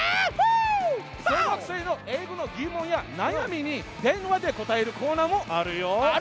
小学生の英語の疑問や悩みに電話で答えるコーナーもあるよ！